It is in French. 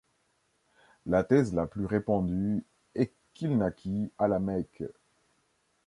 La thèse la plus répandue est qu'il naquit à la Mecque.